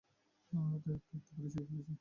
তাই একটু-একটু করে শিখে ফেলেছি।